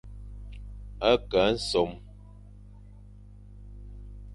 A ke nsom.